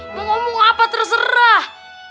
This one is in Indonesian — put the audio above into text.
mau ngomong apa terserah